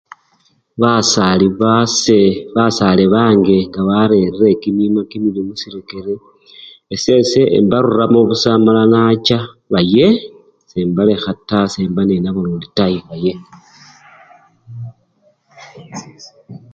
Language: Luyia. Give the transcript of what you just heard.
Basali base! basale bange nga barerire kimima kimibii musirekere, esese embaruramo busa amala nacha, baye sembalekhata! semba nenabo lundi taa baye.